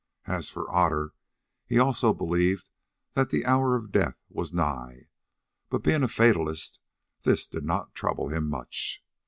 As for Otter, he also believed that the hour of death was nigh, but being a fatalist this did not trouble him much.